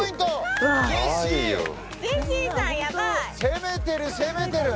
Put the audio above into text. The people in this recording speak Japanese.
攻めてる攻めてる。